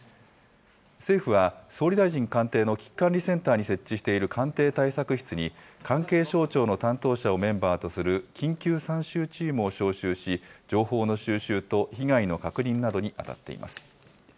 政府は、総理大臣官邸の危機管理センターに設置している官邸対策室に関係省庁の担当者をメンバーとする緊急参集チームを招集し、情報の収集と被害の確認などに当たっています。